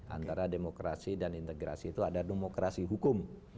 antara demokrasi dan integrasi itu ada demokrasi hukum